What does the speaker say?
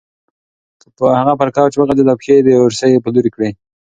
هغه پر کوچ وغځېده او پښې یې د اورسۍ په لور کړې.